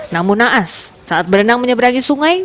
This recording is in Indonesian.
namun naas saat berenang menyeberangi sungai